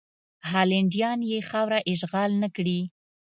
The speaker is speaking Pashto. هالنډیان یې خاوره اشغال نه کړي.